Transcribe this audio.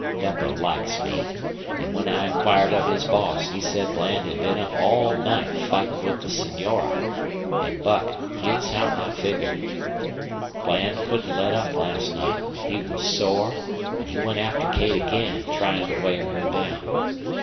Beppo likes me. An' when I inquired of his boss he said Bland had been up all night fightin' with the Senora. An', Buck, here's how I figger. Bland couldn't let up last night. He was sore, an' he went after Kate again, tryin' to wear her down.